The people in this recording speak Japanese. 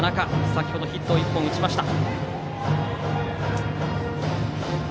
先程ヒット１本打ちました。